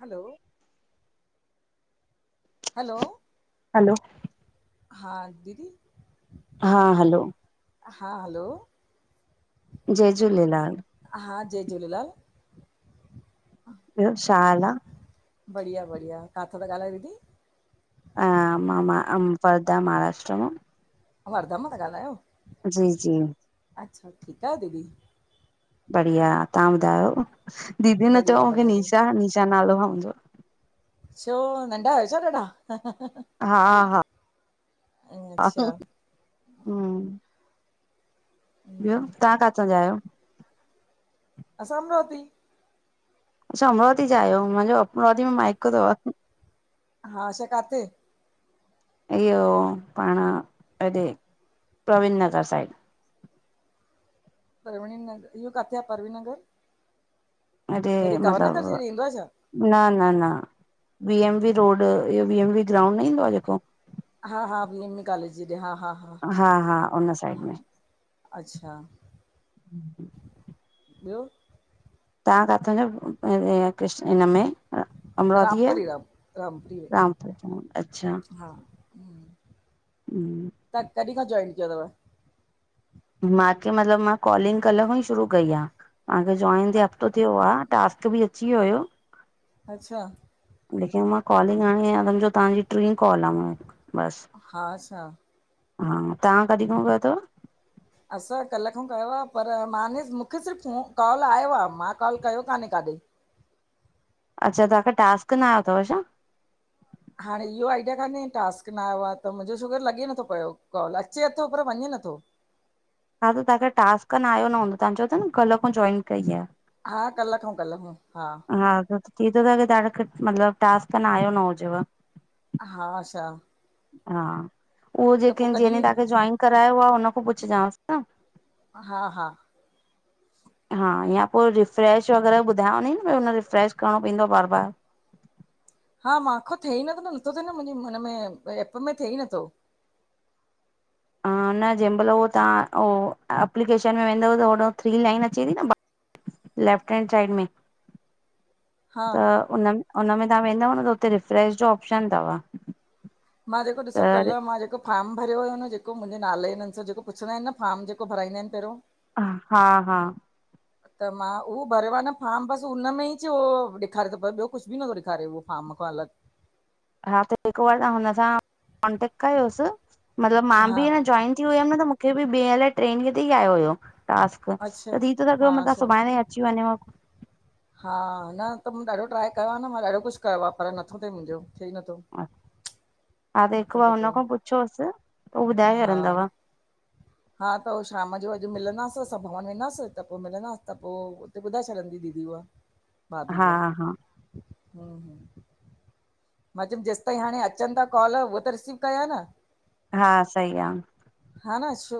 हलो। Hello hello हा दीदी। हा हलो। हा हलो। जय झूलेलाल। हा जय झूलेलाल। ॿियो शा हाल आ? बढ़िया बढ़िया काथां ता ॻाल्हायो दीदी? हा म मां अं महाराष्ट्र मां। वरदम तां ॻाल्हायो? जी जी। अच्छा, ठीकु आयो दीदी? बढ़िया, तव्हां ॿुधायो? दीदी न बढ़िया चओ मूंखे बढ़िया दीदी निशा, निशा नालो आ मुन्झो। छो नंढा आयो छा ॾाढा? हा, हा, हा, अच्छा हु। ॿियो तव्हां काथो जा आहियो? असां अमरावती। अच्छा, अमरावती जा आहियो, मुंहिंजो अमरावती में माइको थव। हा, अच्छा काथे? इहो पाण हेॾे प्रवीन नगर साइड। परवीन नगर इहो काथे आह परवीन नगर? अरे हेॾे कंवर नगर जे मतिलब हेॾे ईंदो आहे छा न, न, न, वी एम वी रोड इहो वी एम वी ग्राउंड न ईंदो आह जेको। हा, हा, बी एम वि कॉलेज जेॾे हा हा। हा हा उन साइड हा में। अच्छा। [inaudible] ॿियो? तव्हां काथा जो आहु ई कृष हिनमें अमरावती रामपुरी राम रामपुरी में। आह ता अच्छा। हा [inaudible] तव्हां कॾहिं खां जॉइन कयो थव? माखे मतलबु मां कॉलिंग कल्ह खों ई शुरू कई आह। मा खे जॉइन थ्ये हफ़्तो थियो आह टास्क बि अची वियो। अच्छा। लेकिन मां कॉलिंग आणी आहियां सम्झो तव्हांजी टीं कॉल आह मुंहिंज बसि। हा सां। हा तव्हां कॾहिं खों कयो थव? असां कल्ह खों कयो आह, पर मा न नु मूंखे सिर्फ़ु कॉल आयो आह मां कॉल कयो कान्हे काॾै। अच्छा तव्हांखे टास्क न आयो थव छा? हाणे इहो आइडिया कान्हे टास्क न आयो आहे त मुंहिंजो शुगर लॻे नथो पियो कॉल अचे थो पर वञे नथो। हा त तव्हांखे टास् न आयो न हूंदो तव्हां चऊ था न कल्ह खां जॉइन कई आह। हा कल्ह खों, कल्ह खों हा। हा त थी थो सघे त मतलब टास्क त न आयो न हुजेव। हा अच्छा। हा उहो त जेके पोइ जंहिंॾी कॾहिं तव्हांखे जॉइन करायो आहे हुन खां पुछजांसि न। हा हा। [inaudible] हा या पोइ रिफ्रेश वग़ैरह ॿुधायांव हुंदई न भई हुन रिफ्रेश करिणो पवंदो आह बार बार। हा माखो थिए ई नथो, नथो थिए न मुंहिंजे, मन में एप में थिए ई नथो। न जंहिं महिल उ तव्हां उ एप्लीकेशन में वेंदव त होॾो थ्री लाइन अचे थी न लेफ्ट हैड साइड में। हा त हुनन हुन में तव्हां वेंदव न त हुते रिफ्रेश जो ऑप्शन थव। मां जेको ॾिसो कल्ह मां जेको फार्म भरियो हुयो न जेको मुंहिंजे नाले, हिनन सां जेको पुछंदा आहिनि न फार्म जेको भराईंदा हिनि पहिरियों हा- हा त मां उहो भरेियो आ न फार्म, बसि उन्ह में ई च हो ॾेखारे तो पयो, ॿियो कुछु बि न थो ॾेखारे उहो फार्म खां अलॻि हा त हिकु बार तव्हां हुन सां कॉन्टेक्ट कयोसि, मतलबु मां हा बि अंञां जॉइन थी हुयमि न त मुखे ॿियें अलाए ट्रें ॾीहं तेे ई आयो हुयो। -टास्क, अच्छा त थी तो हा सघेव मतां अच्छा सुभाणे अची वंञेंव हा न त मूं ॾाढो ट्राए कयो आ न, मां ॾाढो कुछु कयो आ पर नथो थिए मुंजो, थिए ई नत्थो। हा त हिकु बार हुन पियो खां पुछोसि, हू ॿुधाए हा छॾंदव। हा त हो शाम जो अॼु मिलंदास, असां भवन वेंदासीं त पो मिलंदास त पो त ॿुधाए छॾंदी दीदी हुव। [inaudible] भाभी उहा, हा मां चयुमि जेसिताईं हाणे अचनि ता त कॉल उहो त रिसीव कयां न हा सही आ हा न छो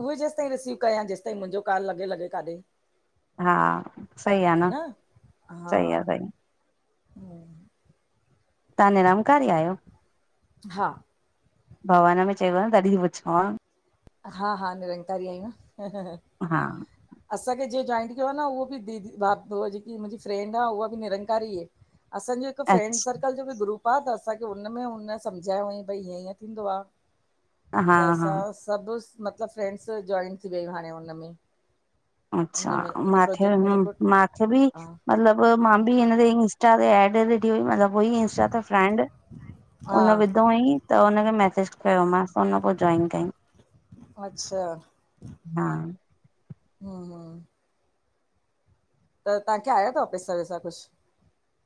उहे जेसि ताईं रिसीव कयां, जेसिताईं मुंहिंजो काल लॻे -लॻे काॾे हा सही आ न, सही आ हा सही हम्म तव्हां निरंकारी आहियो हा। भवन में चयुव न, तॾहिं ती पुछाव। हा -हा, निरंकारी आहियूं न हा। असांखे जेहे जॉइंट कयो आह न, उहो बि दीदी उ जेकी मुंहिंजी फ्रेंंड आ उहा बि निरंकारी आहे। असांजो हिकु फ्रेंड अच्छा सर्कल जो बि ग्रुप आ त, असांखे हुनमें हुन सम्झायो हईं भई हीअं ईअं थींदो आ हा त हा असां सभु मतिलबु फ्रैंड्स जॉइन थी वियूं हाणे उन्ह में अच्छा, हिन में हिन माखे, प्रोजेक्ट में जेको माखे बि हा मतलब मां बि हिन ते इंस्टा ते एड ते ॾिठी हुई, मतलब हुई इन्स्टा ते फ्रेंंड हा उन्ह विधो हुअंईं त उनखे मैसेज कयो मांस, उन्ह पो जॉइन कयंईं। अच्छा, हा हम्म -हम्म त तव्हांखे आया थव पैसा वैसा कुुछ?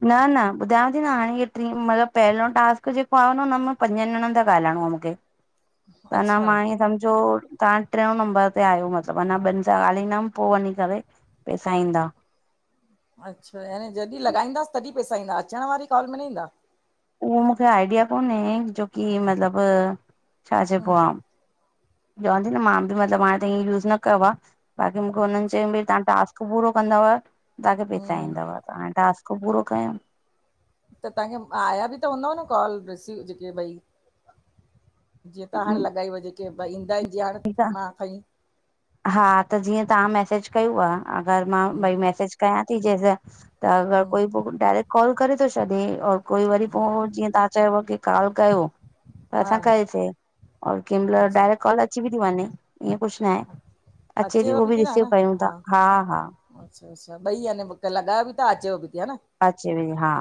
न न ॿुधायांव ती न हाणे हीअ टीं, मतलबु पहिरियों टास्क जेको आयो न हुन में पंजनि ॼणनि सां ॻाल्हाइणो आ मुखे त अंञां अच्छा मां ईंयं सम्झो तव्हां टियों नंबर ते आहियो मतलबु, अंञां ॿिनि सां ॻाल्हाईंदमि पो वञीं करे पैसा ईंदा। अच्छा यानी जॾहिं लॻाईंदासीं तॾहिं पैसा ईंदा, अचण वारी कॉल में न ईंदा। उहो मुखे आइडिया कोन्हे, जोकी मतिलब छा चइबो हम्म, आ चवां ती न मां बि मतिलबु हाणे ईंअं त यूस न कयो आ, बाक़ी मुखे हुननि अच्छा। चयंउं भई तव्हां टास्क पूरो कंदव तव्हांखे हम्म पैसा हम्म। ईंदव, त हाणे टास्क पूरो कयंउं त तव्हांखे आया बि त हूंदव न कॉल रिसीव जेके भई जीअं तहां हाणें लॻाईव जेके, भई ईंदा हिनि जीअं हाणे ठीकु आ मां खंईं हा त जीअं तव्हां मैसेज कयुव, अगरि मां हम्म, भई मैसेज कयां ती जंहिं सां त अगर हम्म, कोई पो डायरेक्ट कॉल करे तो छॾे, और कोई वरी पो जीअं तव्हां चयुव की कॉल कयो त हा असां कईसे और कंहिं महिल अच्छा डायरेक्ट कॉल अची बि ती वंञें ईअं कुछु ना हे अचेव बि ती न, हं न हा हा अच्छा अच्छा ॿई य [unintelligible] न लॻायो बि ता अचे बि त ह न अचे वई हा।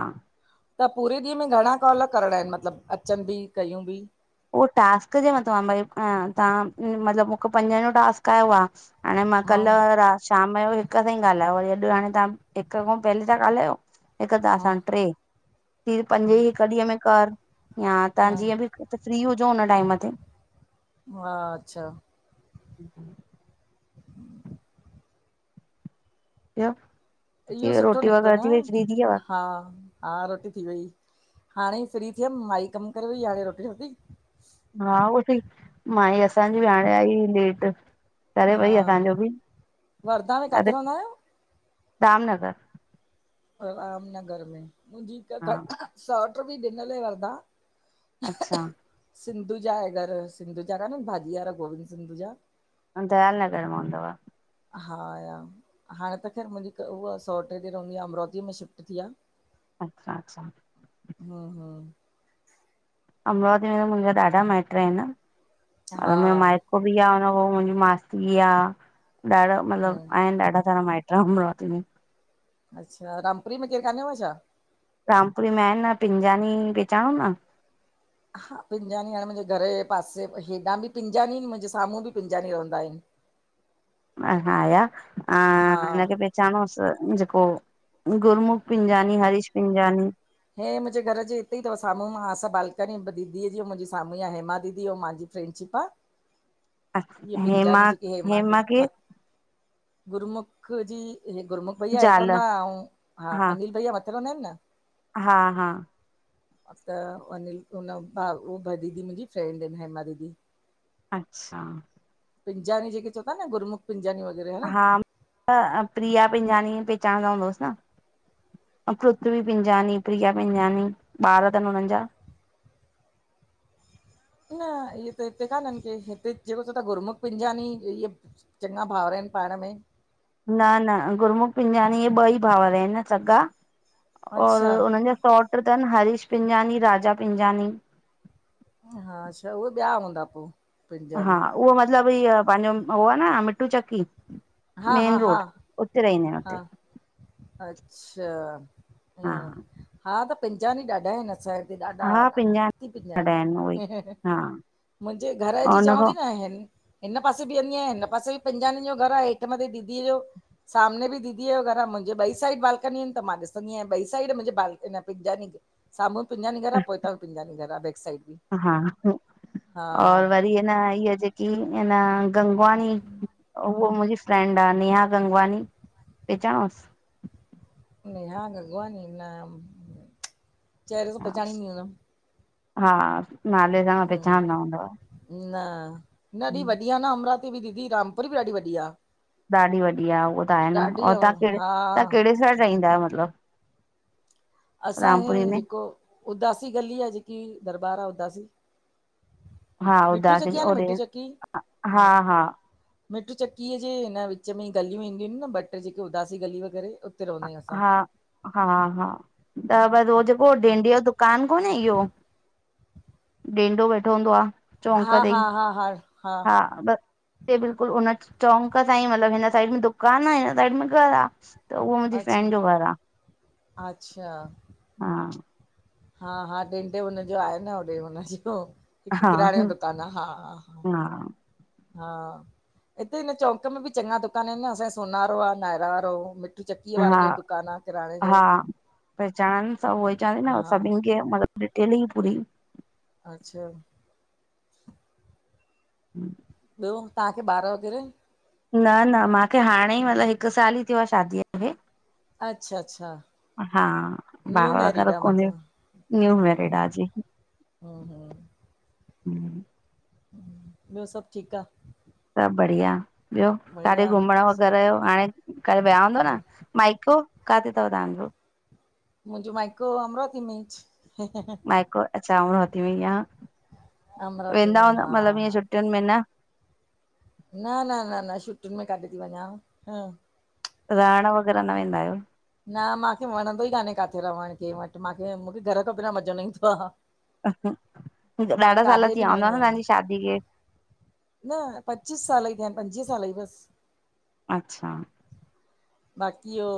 त पूरे ॾींहं में घणा कॉल करिणा आहिनि मतिलबु, अचनि बि कयूं बि? उह टास्क जे मथां आहे, भई तां मतिलबु मूंखे पंजनि जो टास्क आयो आ हाणे मां हा कल्ह रात शाम जो हिक सां ई ॻाल्हायो, वरी अॼु हाणे तव्हां हिक खां पहिले था ॻाल्हायो। हिकु तां हा सां ट्रे, हिय पंज ई हिकु ॾींहं में कर, या तव्हां हा जीअं बि फ्री हुजो हुन टाइम ते। हा अच्छा। हम [inaudible] [unintelligible] फ [inaudible] इहो सुठो निकतो न, हा। हा, रोटी थी वेई, हाणेई फ्री थियमि माई कमु करे वई, हाणे रोटी- रोटी। हा उहोई सई माई असांजी भी हाणे आई लेट करे हा वई असांजो बि, वरधा में अरे काथे रहंदा आहियो? रामनगर। रामनगर में मुंहिंजी हा हिकु सौट्र बि ॾिनल ऐ वरधां। अच्छा। सिंधू जा, ऐं घर सिंधू जा कान्हनि भाॼी वारा गोविंद सिंधू जा। दयाल नगर में हूंदव। हा या? हाणे त ख़ैरु मुंहिंजी हिक उहा सौट तें रहंदी आ अमरावतीअ में शिफ्ट थी आ। अच्छा- अच्छा। हा- हा। अमरावती में त मुंहिंजा ॾाढा माइट आहिनि, हा मतिलब मुं माइट पुफी आ, मुंहिंजी मासी आ, ॾाढा मतिलबु हम्म आहिनि ॾाढा सारा माइट अमरावती में। अच्छा, रामपुरी में केरु कानेव छा? रामपुरी में आहिनि न, पिंजानी पेचाणो न? हा, पिंजानी हाणे मुंहिंजे घर जे पासे, हेॾां बि पिंजानी मुंहिंजे साम्हूं बि पिंजानी रहंदा आहिनि। हा उनखे पह चाणोसि, जेको गुरमुख पिंजानी, हरीश पिंजानी। हे मुंहिंजे घर जे हिते ई अथव साम्हूं हसां बालकनी दीदीअ जी मुंहिंजे साम्हूं ई आहे, हेमा दीदी ऐं मुंहिंजी फ्रेंडशिप आ। अ हेमा- हेमा केर? गुरमुख जी हे गुरमुख भईया हेठि ज़ाल रहंदो आ, अउं हा अनिल भईया मथे रहंदा आहिनि न? हा- हा। त अनिल हुन भाउ ह दीदी मुंहिंजी फ्रेंंड आहिनि हेमा दीदी। अच्छा। पिंजानी जेके चवंदा अन गुरमुख पिंजानी वग़ैरह, हं तं प्रिया पिंजानी पहचांणदा हूंदवस तां? पृथ्वी पिंजानी, प्रिया पिंजानी ॿार अथनि हुनननि जा। न इहे त हिते कान्हनि के, हिते जेको चो था गुरमुख पिंजानी इहे चङा भाउर आहिनि पाण में। न -न गुरमुख पिंजाणी इहे ॿई भाउर आहिनि सॻा, और अच्छा उन्हनि जा सौट्र तन हरीश पिंजानी, राजा पिंजानी। हा अच्छा उहे ॿिया हूंदा पोइ हा पिंजानी उहो मतिलबु इह पंहिंजो उह आहे न मिट्टू चक्की हा हा मेन हा रोड उते रहंदा आहिनि उ हा हुते। अच्छा हा ईअं हा त पिंजानी ॾाढा आहिनि असांजेा ॾाढा हा ॾाढा अती पिंजानी ॾाढा आहिनि उहे पिंजानी हा मुंहिंजे घर जे और हुन चवंद न आहिनि। हिन पासे बि वेंंदी आहियां हिन पासे बि पिंजानी जो घरु आहे हेठि मथे दीदीअ जो सामने बि दीदीअ जो घर आहे मुंहिंजे ॿई साइड बालकनी आहिनि त मां ॾिसंदी आहियां ॿई साइड मुंहिंजे बालकनी पिंजानी साम्हूं बि पिंजानी घरा पोइत बि पिंजानी घर आ बैक साइड बि हा हा और वरी हिन इहा जेक कीन गंगवानी उहा मुंहिंजी फ्रेंड आहे नेहा गंगवानी पेहचानौउस? नेहा गंगवानी न चहरे सां पहचादी उदम हा नाले सां हा मां पहचानंदा हूंदव। न न एॾी वढिया न अमरावती। बि दीदी रामपुरी बि ॾाढी वॾी आहे ॾाढी वॾी आहे उहा त आहे न ॾाढी और तव्हां कहिड़े हा तव्हां कहिड़े साइड चाहंदा आहियो मतिलबु? असां ह रामपुरी में जेको उदासी गली आहे जेकी दरबारु आहे उदासी। हा मिठू उदास चक्की आहे न ओॾे मिठू चक्की हा मिठु चक्कीअ जे हिन विच में ई गलियूं ईंदियूं आहिनि न ॿ टे जेके उदासी गली वग़ैरह उते रहंदा आहियूं असां। हा हा हा त बसि उहो जेको डींंडीअ जो दुकान कोन्हे इहो ॾेंडो वेठो हूंदो आहे चौंक हा ते हा हा हा हा बस बिल्कुलु हुन चौंक सां ई मतलबु हिन साइड में दुकान आहे साइड में घर आहे त उहो मुंहिंजी अच्छा फैंड जो घरु आहे अच्छा हा हा हा डेंडो हुनजो आहे न होॾे हुनज हिकु हा किराने जो दुकानु आहे हा हा हा हा हा हिते हिन चौंक में बि चङा दुकान आहिनि न असांजो सोनारो आहे नायर वारो। चकीअ हा वारनि जो दुकानु आहे किराणे जो हा त पेहचान चवनि सभ उहो ई चवंदी न हा सभिनि मतलब टेली पूरी अच्छा। [inaudible] ॿियो तव्हांखे ॿार वग़ैरह? न न माखे हाणे ई मतलब हिकु साल ई थियो आहे शादीअ करे। अच्छा अच्छा हा ॿार न्यू मैरिड वग़ैरह आ कोन्हे मतलब न्यू मैरेड आ। हूं सभु ॿियो सभु ठीकु आ।? सभु बढ़िया ॿियो काथे बढ़िया घुमण वग़ैरह जो हाणे काॾे वया हूंदो हा न? माइको काथे तहां जो? मुंहिंजजो माइको अमरावती इमेज माइको अच्छा अमरावती में आ अमरावती वेंदा में हूंदा हा मतिलबु ईअं हा छुटियुनि में न? न न न न छुटियुनि में कॾी थी वञा। रहण वग़ैरह न वेंदा आहियो? न मांखे वणंदो ई कान्हे काथे रवण कंहिं वट, मांखे मूंखे घर खां बिना मज़ो न ईंदो आ। मां ॾाढा साल काॾे थी बि विया हूंदा न वई आहियां तव्हांजी शादी खे? न पच्चीस साल ई थिया आहिन। पंजवीह साल ई बस। अच्छा बाक़ी ओ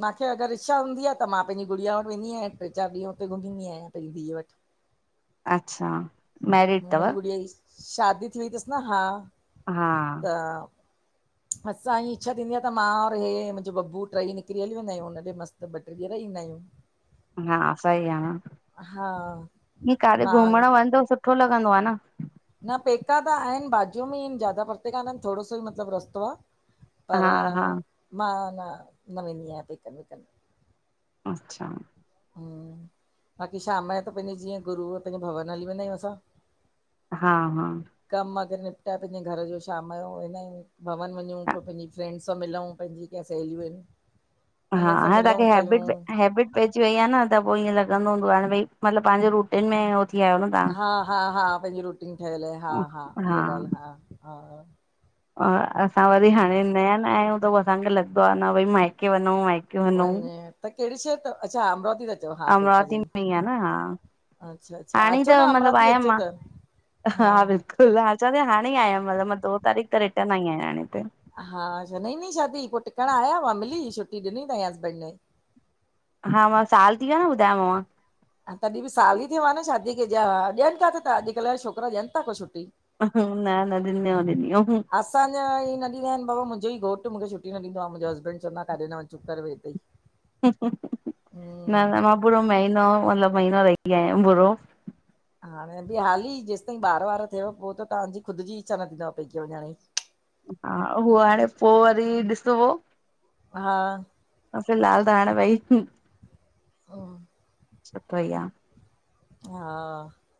मांखे अगर इच्छा हूंदी आ त मां पैंजी गड़िया वट वेंदी आयां। ट्रे चार ॾींहं हुते घुमी ईंदी आयां पैंजी धीअ वट। [inaudible] मैरिड अथव मुंजी गुड़िया जी शादी थी वई तस न हा। हा त असांजी इच्छा थींदी आ त मां और हे मुंजो बबू ट्रई निकरी हली वेंदा आयूं। हुनॾे मस्त ॿ ट्रे ॾींह रही ईंदा आयूं। हा सही आ न, हा ईअं काॾे घुमण मां वञ त सुठो लॻंदो आ न। न पैका त आहिन, बाजुअ में ई आहिन ज्यादा परते कानन, थोड़ो सो ई मतलब रस्तो आ। पर हा हा मां न, न वेंदी आयां पेकन वेकन। अच्छा बाक़ी शाम जो त पैंजे जीअं गुरू पैंजे भवन हली वेंदा आयूं असां। हा, हा कम अगर निपटाए पैंजे घर जो, शाम जो वेंदा आयूं भवन वञूं पो पैंजी फ्रैंड्स सां मिलऊं, पैंजी कें सहेलियूं आहिन। हा, हाणे तव्हांखे हेबिट हेबिट पै अची वई आ न, त पो ईअं लॻंदो हूंदुव हाणे भई मतलब पांजे रुटीन में थी आहियो न हा, हा, हा पैंजी रुटीन ठहियल आ। हा, हा इहा ॻाल्ह हा, हा। असां वरी हाणे नया नया आहियूं त पो असांखे लॻंदो आ न भई माइके वञूं माइके वञूं वञ, त केड़े शहर तव? अच्छा अमरावती त तो हा पई करे। अमरावती में ई आ न हा अच्छा-अच्छा हाणे अचो त न मतिलबु अमरावती अचो त। हा खु़द हा चवांती न हाणे ई आयां हू, मां दो तारीख़ त रिटर्न आई आयां हाणे त। हा, अच्छा नईं नई शादी पो टिकण आया हुयव, मिली हुई छुटी ॾिनी तईं हसबैंड ने। हा, मां साल थी वियो आ‌ न ॿुधायोमांव। हा, तॾी बी साल ई थियो आ न शादीअ खे, ज ॾियन काथे ता अॼकल जा छोकरा ॾियन था को छुटी? न, न ॾिनी अऊं, ॾिनी अऊं। असांजा हे न ॾींदा आहिन, बाबा मुंजो ई घोट मूंखे छुट्टी न ॾींदो आ मुंजो हस्बैंड चवंदो‌ आ काॾे न वञ चुप करेे वे हिते ई। न, हम्म न मां पूरो महीनो मतलब महीनो रही आयम पूरो। हाणे भई हाली जेसताईं ॿार वार थियव, पो त तव्हांजी ख़ुद जी इच्छा थींदव पेके वञण जी। हा, उहो हाणे पो वरी ॾिसबो। हा फिलहाल त हाणे भई हा सुठो ई आ। हा